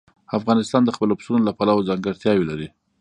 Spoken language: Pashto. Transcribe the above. افغانستان د خپلو پسونو له پلوه ځانګړتیاوې لري.